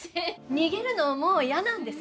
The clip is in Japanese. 逃げるのもう嫌なんです。